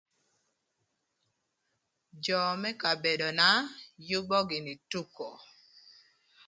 Jö më kabedona yubo gïnï tuko.